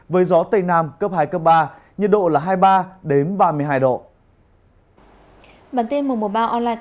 với gió tây nam cấp hai cấp ba nhiệt độ là hai mươi ba ba mươi hai độ